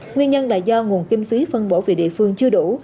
nguyên nhân là do nguồn kinh phí phân bổ về địa phương chưa đủ